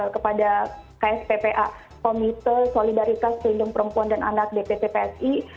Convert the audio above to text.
kepada ksppa komite solidaritas pelindung perempuan dan anak dpp psi